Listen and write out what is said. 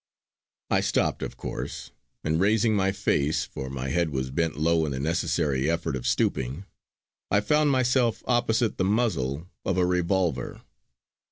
I stopped of course, and raising my face, for my head was bent low in the necessary effort of stooping, I found myself opposite the muzzle of a revolver.